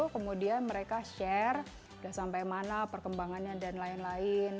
kemudian mereka share sudah sampai mana perkembangannya dan lain lain